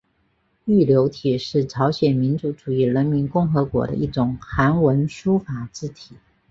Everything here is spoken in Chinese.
玉流体是朝鲜民主主义人民共和国的一种韩文书法字体。